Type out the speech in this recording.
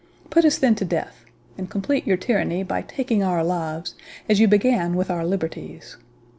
—Put us then to death, and complete your tyranny by taking our lives, as you began with our liberties.